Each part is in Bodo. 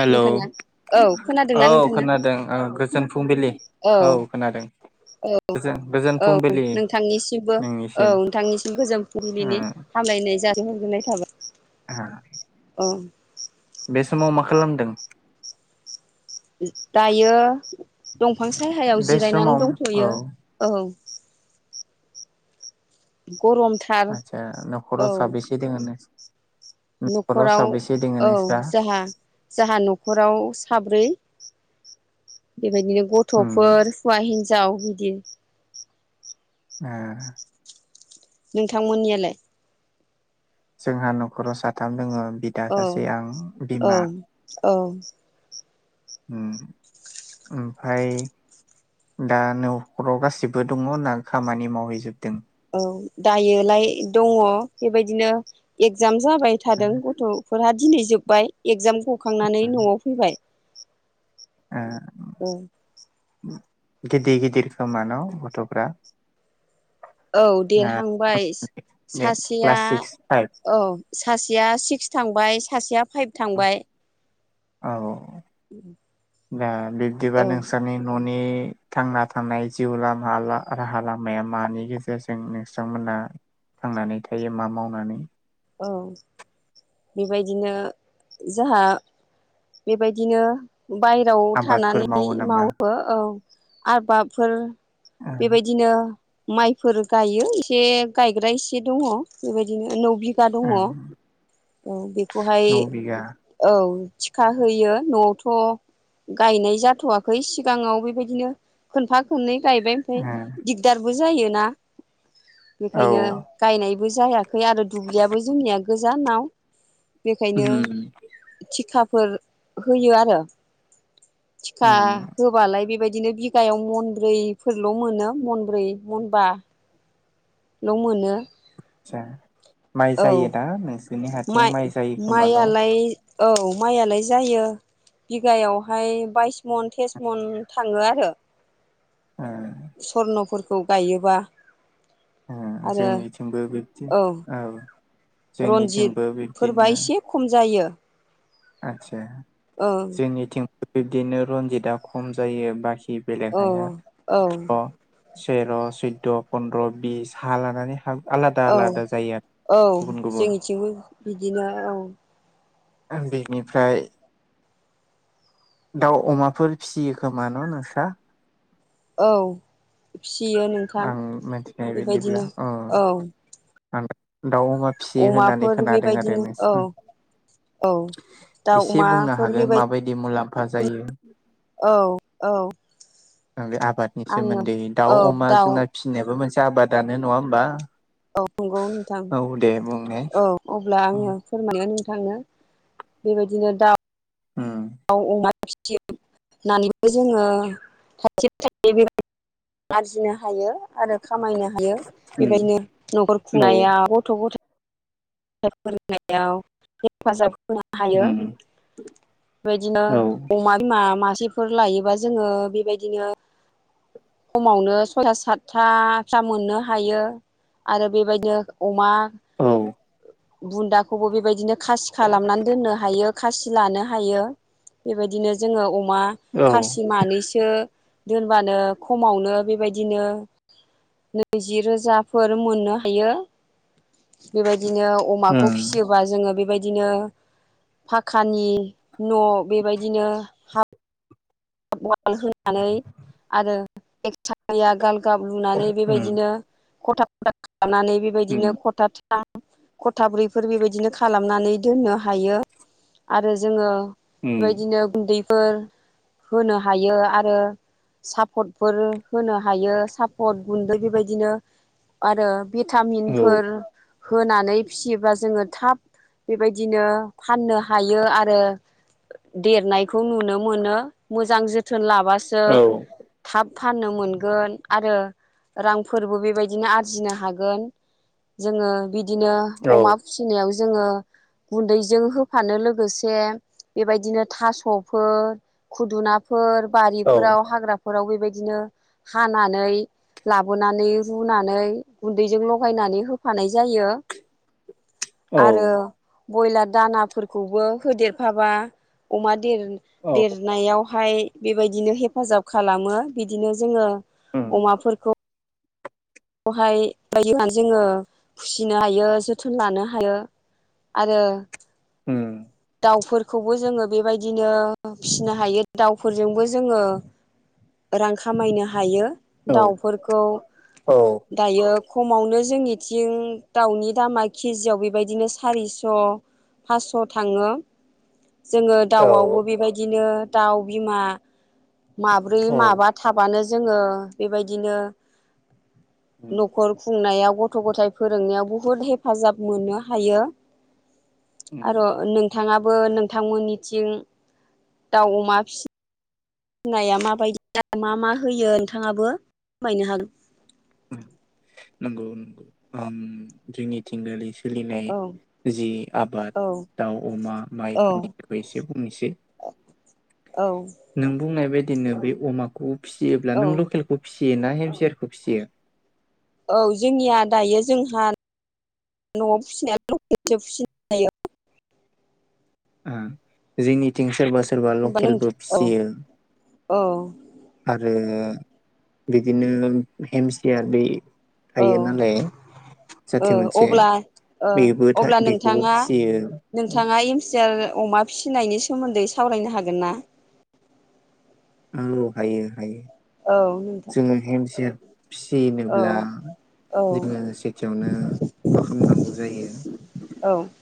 हेलौ नोंथाङा औ खोनादोंना औ नोंथाङा खोनादों आं गोज फुंबिलि औ खोनादों। औ गोजोन गोजोन औ फुंबिलि नोंथांनिसिमबो औ नोंनिसिम नोंथांनिसिम गो जो फुंबिलिनि हाम लायनाय जासिहरगोरनाय थाबाय हम औ बे समाव मा खालामदों? दायो दंफां साहायाव बे जिरायनानै समाव औ दंथ'यो औ। गरमथार आथसा औ न'खराव साबसेै दोङो नो न'खराव औ नोंस्रा जोहा जाहा न'खराव साब्रै। बेबायदिनो उम गथ'फोर हौवा हिन्जाव बिदि ओ। नोंथांमोननियालाय? जोंहा न'खराव साथाम दोङो। बिदा औ सासे आं औ बिमा। औ उम उमफाय दा न'खराव गासिबो दङ ना खामानि मावहैजोबदों? औ दायोलाय दङ बेबायदिनो एक्जामस जाबाय थादों गथ'फोरहा दिनै जोब्बाय एक्जाम गखांनानै न'आव फैबाय। ओ। औ। गिदि गिदिर खोमान गथ'फ्रा। औ ना देरहांबाय दे सासेया क्लास सिक्स फाइभ औ। सासेया सिक्स थांबाय सासेया फाइभ थांबाय। औ दा बिब्दिबा औ नोंस्रानि न'न नि थांना थानाय जिउ लामा ला राहा लामाया मानि गेजेरजों नोंस्रांमोना थांनानै थायो मा मावनानै। औ बेबायदिनो जाहा बेबायदिनो बायेराव आबादफोर थानानै नामा मावो औ आबादफोर ओं बेबायदिनो माइफोर गायो एसे गायग्रा एसे दङ बेबायदिनो नौ बि गा दङ ओं औ बेखौहाय नौ बिगा ओ औ थिखा होयो न'आवथ' गायनाय जाथ'वाखै सिगाङाव बेबायदिनो खोनफा खननै गायबाय ओ ओमफ्राय दिगदारबो जायोना औ बेखायनो गायनायबो जायाखै आरो दुब्लियाबो जोंनिया गोजानाव बेखायनो उम थिखाफोर होयो आरो। थिखा उम होबालाय बेबायदि दिनो बिगायाव मनब्रैफोरल' मोनो मनब्रै मनबा ल' मोनो। आदसा माइ औ जायो दा नोंसोरनि हाथिं माइ जायो खोमा न' ओ माइआलाय औ माइआलाय जायो। बिगायावहाय बाइस मन तेस मन थाङो आरो। सर्नफोरखौ गायोबा ओ आरो जोंनिथिंबो बिबदि औ। रन्जित जोंनिथिंबो फोरबा बिब्दिनो एसे खम जायो आदसा ओं जोंनिथिं बिब्दिनो रनजितआ खम जायो बाखि बेलेग औ हाया औ तेर' सैदद' पन्द्र' बिस हा लानानै हा आलादा औ आलादा जायो आरो औ गुबुन गुबुन जोंनिथिंबो बिदिनो औ। बेनिफ्राय दाउ अमाफोर फिसियो खोमा न' नोंस्रा औ फियो नोंथां आं मिथिनाय बायदिब्ला बेबायदिनो अ औ। दाउ अमा फिसियो होननानै अमाफोर खोनादों आरो बेबायदिनो नोंस औ औ दाउ एसे बुंनो अमाफोर हागोन बेबायदि माबायदि मुलाम्फा जायो। औ औ आबादनि आङो सोमोन्दै दाउ औ अमा दाउ जुनार फिसिनायाबो मोनसे आबादानो नङा होमबा। औ नंगौ नोंथां औ दे बुंनाय औ अब्ला उम आङो फोरमनो थाङो बेबायदिनो दाउ दाउ अमा फिसिनानैबो जोङो थाइसे थाइनै बेबायदि आरजिनो हायो आरो खामायनो हायो उम बेबायदिनो नखर औ खुंनायाव गथ' गथ फोरोंनायाव हेफाजाब हायो उम बेदिनो औ अमा बिमा मा सेफोर लायोबा जोङो बेबायदिनो खमावनो सयथा सातथाफ्रा मोननो हायो। आरो बेबायदिनो अमा औ बुन्दाखौबो बेबायदिनो खासि खालामनानै दोननो हायो खासि लानो हायो बेबायदिनो जोङो अ बा औ खासि मानैसो दोनबानो खमावनो बेबायदिनो नैजि रोजाफोर मोननो हायो। बेबायदिनो अमाखौ ओम फिसियोबा जोङो बेबायदि दिनो फाखानि न' बेबायदिनो हा हाबवाल होनानै आरो एखसालिया गाल गाब लुनानै ओम बेबायदिनो खथा खथा खालामनानै बेबायदिनो ओम खथा था खथाब्रैफोर बेबायदिनो खालामनानै दोननो हायो आरो जोङो ओम बेबायदिनो गुन्दैफोर होनो हायो आरो सापटफोर होनो हायो सापट गुन्दै बेबायदिनो आरो औ भिटामिनफोर होनानै फिसियोबा जोङो थाब बेबायदिनो फाननो हायो आरो देरनायखौ नुनो मोनो। मोजां जोथोन लाबासो औ थाब फाननो मोनगोन आरो रांफोरबो बेबायदिनो आरजिनो हागोन। जोङो बिदिनो औ अमा फिसिनायाव जोङो गुन्दैजों होफानो लोगोसे बेबायदिनो थास'फोर खुदुनाफोर औ बारिफोराव हाग्रा फोराव बेबायदिनो हानानै लाबोनानै रुनानै गुन्दैजों लगायना नै होफानाय जायो। औ आरो बयलार दानाफोरखौबो होदेरफाबा अमा देर-देरनायावहाय बेबायदिनो हेफाजाब खालामो बिदिनो जोङो ओम अमाफोरखौ हाय [inaudible] जोङो खुसिनो हायो जोथोन लानो हायो। आरो हम दाउफोरखौबो जोङो बेबायदिनो फिसिनो हायो दाउफोरजोंबो जोङो रां खामायनो हायो औ दाउफोरखौ औ दायो खमावनो जोंनिथिं दाउनि दामा केजियाव बेबायदिनो सारिस' फासस' थाङो। जोङो औ दाउआवबो बेबायदिनो दाउ बिमा माब्रै औ माबा थाबानो जोङो बेबायदिनो ओम न'खर खुंनायाव गथ' गथाय फोरोंनायाव बुहुत हेफाजाब मोननो हायो आरो ओम नों थाङाबो नोंथांमोननिथिं दाउ अमा फिसि नाया माबायदि मा मा होयो नोंथाङाबो फोरमायनो हागोन। नंगौ नंगौ उम जोंनिथिं सोलिनाय औ जि आबाद औ दाउ अमा औ माइफोरनिखौबो एसे बुंनोसै। औ नों बुंनाय बायदिनो बे अमाखौ फिसियोब्ला औ नों लकेलखौ फिसियो ना हेमसियार खौ फिसियो? औ जोंनिया दायो जोंहा न'आव फिसिनाया लकेलसो फिसि [inaudible] ओ जोंनिथिं सोरबा सोर सोरबा होमबा लकेलबो नोंथां औ फिसियो औ आरो बिदिनो हेमसियार बे औ थायो नालाय। ओ जाथि मोनसे अब्ला ओ बेबो अब्ला बेखौबो नोंथाङा फिसियो नोंथाङा हेमसियार अमा फिसिनायनि सोमोन्दै सावरायनो हागोन ना? आंल' हायो हायो। औ नोंथां जोङो हेमसियार औ फिसिनोब्ला औ जोङो सेथियावनो मा खालामनांगौ जायो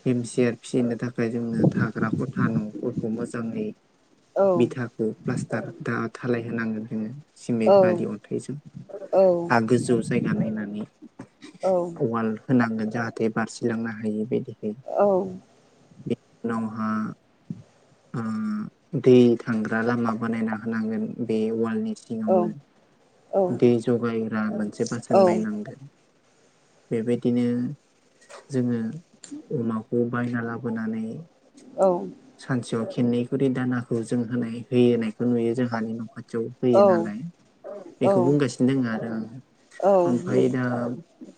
हेमसियार फिसिनो थाखाय जोंनो थाग्रा खथा न'फोरखौ मोजाङै औ बिथाखौ प्लास्टार धा-धालाय होनांगोन जोङो। सिमेन्ट औ बालि अनथाइजों। औ हा गोजौ जायगा नायनानै औ उवाल होनांगोन। जाहाथे बारसिलांनो हायि बायदि। औ बिनि उनावहा दै थांग्रा लामा बानायना होनांगोन बे वालनि औ सिङावनो दै जगायग्रा मोनसे बासोन बायनांगोन। बेबायदिनो जोङो अमाखौ बायना लाबोनानै सानसेयाव खेननै खुरि दानाखौ जों होनाय होयो होनायखौ नुयो जोंहानि न' खाथि जौ होयो औ नालाय बेखौ औ बुंगासिनो दङ आरो आङो ओमफाय केजि दा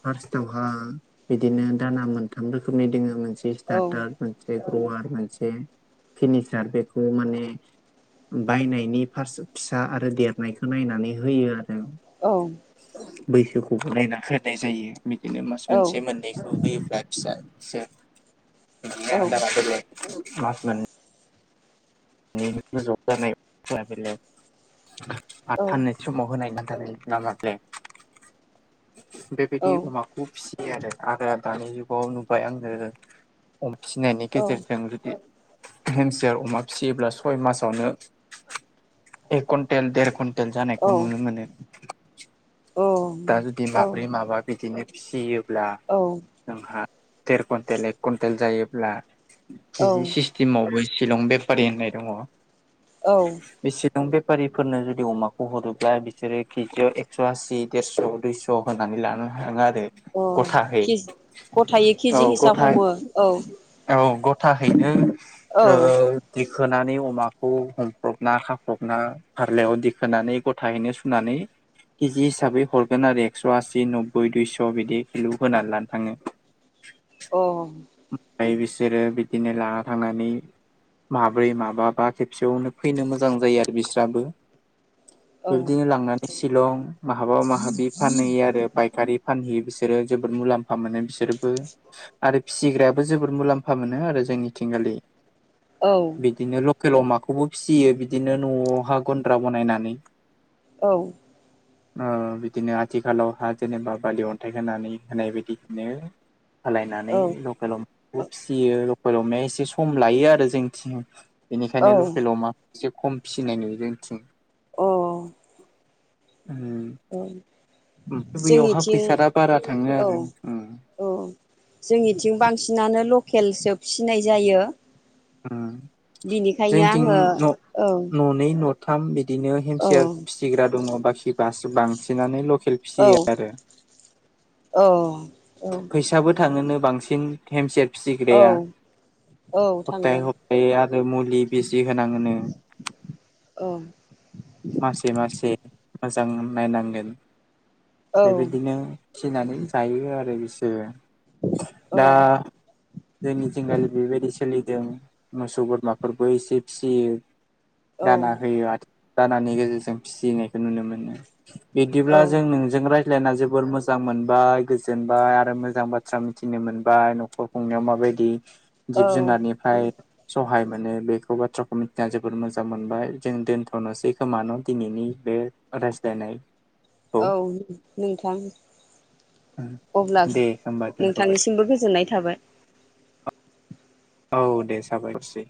फार्स्टवहा बिदिनो दाना मोनथाम रोखोमनि दङ मोनसे स्टारटार मोनसे रवार मोनसे फिनिसार बेखौ माने बायनायनि फार्स्ट फिसा आरो देरनायखौ नायनानै होयो आरो औ बैसोखौ नायना होनाय जायो बिदिनो मास मोनसे मोननैखौ होयोब्ला फिसा [inaudible] [inaudible] [inaudible] आरो आगोल दानि जुगाव नुबाय आङो अमाफिनायनि गेजेरजों जुदि हेमसिार अमा फिसियोब्ला सय मासावनो एक कुन्टेल देर कुइटेल जानायखौ नुनो मोनो दा जुदि माब्रै माबा बिदिनो फियोब्ला जोंहा देर कुइन्टेल एक कुइन्टेल जायोब्ला किजि सिस्टेमावबो शलं बेफारि होननाय दङ। औ। बे शिलं बेफारिफोरनो जुदि अमाखौ हरोब्ला बिसोरो केजियाव एकस' आसि देरस' दुइस' होनानै लाना थाङा आरो। गथायै केजि हिसाब हमो औ [inaudible] [inaudible] सोनानै अमाखौ हमख्रबना खाख्रबना फारलायाव दिेखोनानै गथायैनो सुनानै केजि हिसाबै हरगोन आरो एक्स' आसि नब्बै दुइस' बिदि खिलु होनानै लानो थाङो अ। ओमफ्राय बिसोरो बिदिनो लाना थांनानै माब्रै माबाबा खेबसेयावनो फैनो मोजां जायो आरो बिस्राबो। औ बेबायदिनो लांनानै शिलं माहाबा माहाबि फानहैयो आरो फायखारि फानहैयो बिसोरो जोबोद मुलाम्फा मोनो बिसोरबो आरो फिसिग्रायाबो जोबद मुलाम्फा मोनो आरो जोंनिथिंगालि औ बिदिनो ल लखेल अमाखौबो फिसियो बिदिनो न'आवह गन्द्रा बानायनानै। औ। बिदिनो आथिखालावहा जेनेबा बालि अन्थाइ होनानै होनाय बायदिनो खालायनानै लकेल अमाखौ फिसियो लकेल अमाया एसे सम लायो आरो जोंथिं। बेनिखायनो औ लखेल अमाखौ ऐसे खम फिसिनाय नुयो जोंथिं। अ। औ। ओमफ्राय बैयावहा फैसा दा बारा थाङो औ आरो। औ जोंनिथिं बांसिनानो लकेलसो फिसिनाय जायो बिनिखायनो जोंथिं आङो न औ न'नै न थ बिदिनो औ हेमसियार फिसिग्रा दङ बाखि बास बांसिनानो खेलफियो आरो। अ। फैसाबो थांडोनो बांसिन हेमसेट फिसिग्राया। औ औ औ सप्ताहै थांगोन स‌प्ताहै आरो मुलि बेिजि होनाङोनो। औ मासे मासे। मोजां नायनांगोन औ बेबायदिनो फिनानै जायो आरो। लोगोसे दा जोंनि जिंगलि बेबायदि सोलि। जों मोसौ बोरमाफोरबो एसे फियो औ दाना होयो आ। दानानि गेजेरजों फिसिनायखौ नुनो मोनो बिदिब्ला जों नोंजों रा प्लेना जोबोर मोजां मोनबाय गोज गोजोनबाय आरो मोजां बाथ्रा मिथिनो मोनबाय न'खर खंनायाव माबायदि जिब औ औ जुनारनिफ्राय सहाय मोन माने बेखौ बाथ्राखौ मिथिना जोबोद मोजां मोनबाय जों दोन्थ'नोसै खोमा न दिनैनि बे रायस्लाय नायखौ। औ नोंथां। अब्ला दे होमबा दोनथ'बाय नोंथांनिसिमबो गोजोननाय थाबाय औ दे जाबायसै।